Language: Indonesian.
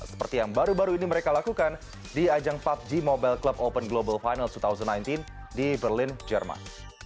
seperti yang baru baru ini mereka lakukan di ajang pubg mobile club open global final dua ribu sembilan belas di berlin jerman